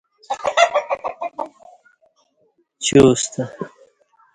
چِیوستہ